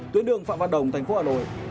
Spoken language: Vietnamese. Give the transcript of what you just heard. tuyến đường phạm văn đồng thành phố hà nội